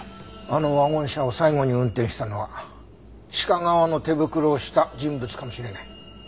あのワゴン車を最後に運転したのは鹿革の手袋をした人物かもしれない。